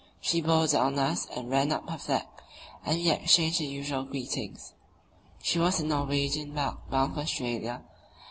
She bore down on us and ran up her flag, and we exchanged the usual greetings; she was a Norwegian barque bound for Australia.